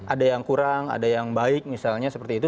ada yang kurang ada yang baik misalnya seperti itu